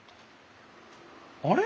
あれ？